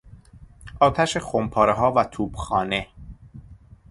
آتش خمپارهاندازها و توپخانه